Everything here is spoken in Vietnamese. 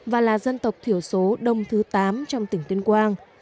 và là dân tộc thiểu số đông thứ tám trong tỉnh tuyên quang